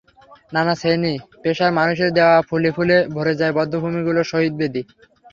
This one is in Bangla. নানা শ্রেণি-পেশার মানুষের দেওয়া ফুলে ফুলে ভরে যায় বধ্যভূমিগুলোর শহীদ বেদি।